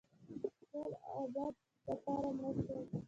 ټول دابد دپاره مړه شوله